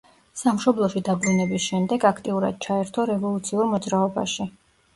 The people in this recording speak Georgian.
სამშობლოში დაბრუნების შემდეგ აქტიურად ჩაერთო რევოლუციურ მოძრაობაში.